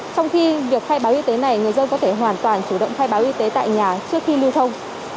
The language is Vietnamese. trong khi việc khai báo y tế này người dân có thể hoàn toàn chủ động khai báo y tế tại nhà trước khi lưu thông